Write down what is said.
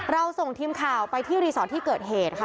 ส่งทีมข่าวไปที่รีสอร์ทที่เกิดเหตุค่ะ